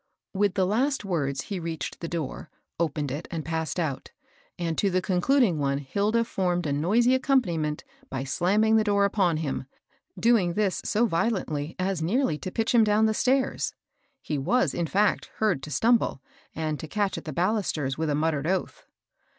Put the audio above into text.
With the last words he reached the door, opened it and passed out, and to the concluding one Hilda formed a noisy accompaniment by slamming the door upon him, doing this so violently as nearly to pitch him down the stairs. He was, in fact, heard to stumble, and to catch at the balusters with a muttered oath.